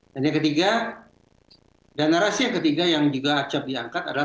dan yang ketiga dan narasi yang ketiga yang juga acap diangkat adalah